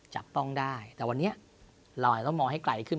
จับต้องได้แต่วันนี้เราอาจจะต้องมองให้ไกลขึ้น